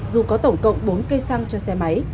dù có tổng cộng bốn cây xăng cho xe máy